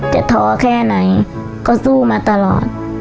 ท้อแค่ไหนก็สู้มาตลอด